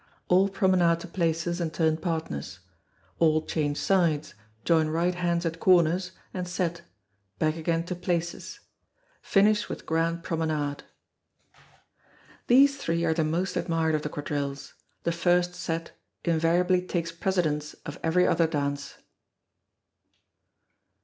All promenade to places and turn partners. All change sides, join right hands at corners, and set back again to places. Finish with grand promenade. These three are the most admired of the quadrilles: the First Set invariably takes precedence of every other dance.